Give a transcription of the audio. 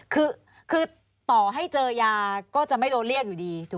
คือต่อให้เจอยาก็จะไม่โดนเรียกอยู่ดีถูก